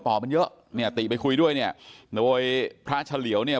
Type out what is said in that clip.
มันเยอะเนี่ยติไปคุยด้วยเนี่ยโดยพระเฉลียวเนี่ย